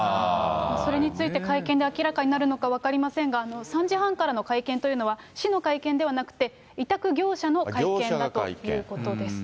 それについて、会見で明らかになるのか分かりませんが、３時半からの会見というのは、市の会見ではなくて、委託業者の会見だということです。